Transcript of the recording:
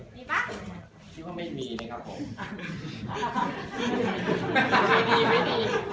ชิคกี้พายไม่มีมั๊ยครับผม